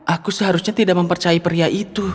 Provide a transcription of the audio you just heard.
aku seharusnya tidak mempercayai pria itu